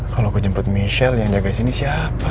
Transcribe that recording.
kalau gue jemput michelle yang jaga sini siapa